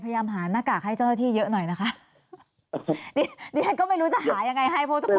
พยายามหาหน้ากากให้เจ้าที่เยอะหน่อยนะคะไม่รู้จะหายังไง